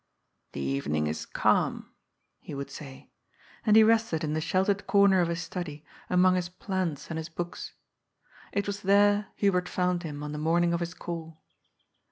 " The evening is calm," he would say. And he rested in the sheltered comer of his study, among his plants and his books. It was there Hubert found him on the morning of his call.